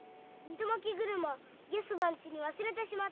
糸まき車ヤスばんちに忘れてしまった。